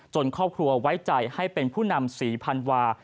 ครอบครัวไว้ใจให้เป็นผู้นำศรีพันวา